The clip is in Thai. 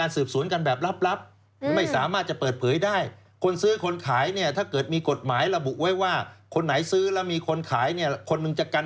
ถือว่ามีทางออกแล้วถ้าบอกล่อซื้อได้มั้ยคุณถูก